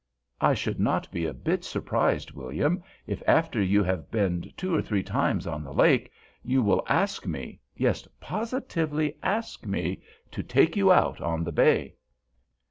I should not be a bit surprised, William, if after you have been two or three times on the lake you will ask me—yes, positively ask me—to take you out on the bay!"